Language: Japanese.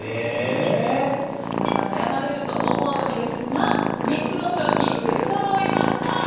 皆さん悩まれると思うんですが３つの商品、出そろいました。